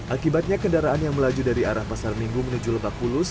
akibatnya kendaraan yang melaju dari arah pasar minggu menuju lebak bulus